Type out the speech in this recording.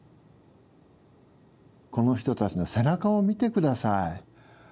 この人たちの背中を見て下さい。